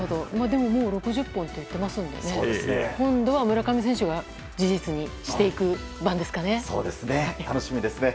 もう６０本って言っていますから、今度は村上選手が事実にしていく番ですね。